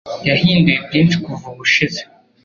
Yahinduye byinshi kuva ubushize.